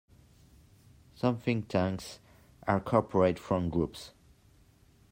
Some think tanks are corporate front groups.